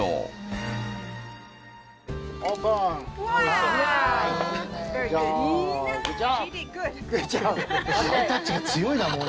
ハイタッチが強いなもうな。